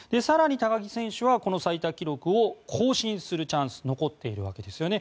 更に高木選手はこの最多記録を更新するチャンスが残っているわけです。